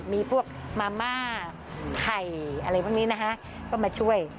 มีพวกมาม่าไข่อะไรพวกนี้นะฮะก็มาช่วย